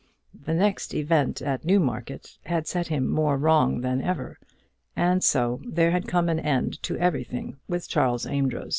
The next event at Newmarket had set him more wrong than ever, and so there had come an end to everything with Charles Amedroz.